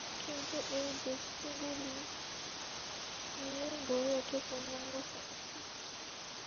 কিন্তু এই ব্যষ্টিগুলি নিয়েই গড়ে ওঠে পূর্ণাঙ্গ সমষ্টি।